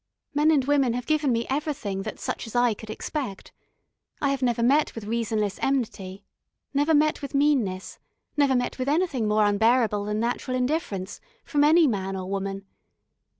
Men and women have given me everything that such as I could expect. I have never met with reasonless enmity, never met with meanness, never met with anything more unbearable than natural indifference, from any man or woman.